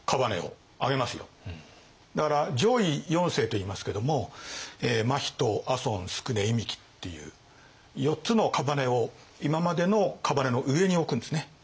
だから上位四姓といいますけども真人朝臣宿忌寸っていう４つの姓を今までの姓の上に置くんですね。